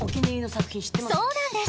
そうなんです！